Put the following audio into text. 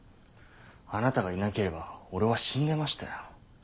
あなたがいなければ俺は死んでましたよ。